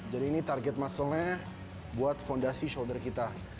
jadi ini target musclenya buat fondasi shoulder kita